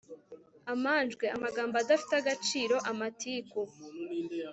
amanjwe amagambo adafite agaciro, amatiku